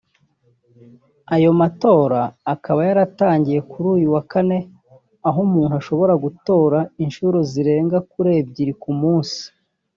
Ayo matora akaba yaratangiye kuri uyu wa kane aho umuntu ashobora gutora inshuro zigera kuri ebyiri ku munsi